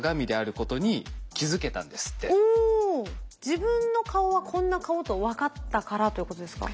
自分の顔はこんな顔と分かったからということですか？